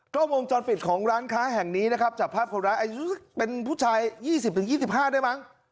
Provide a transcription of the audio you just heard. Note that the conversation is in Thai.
ก็วงจรปิดของร้านค้าแห่งนี้นะครับจับภาพคนร้ายอายุเป็นผู้ชาย๒๐๒๕ได้มั้ง